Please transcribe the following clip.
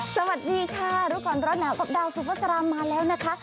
สวัสดีค่ะรุกรณรสหนาวดอกดาวซูเฟอร์สรามมาแล้วนะคะ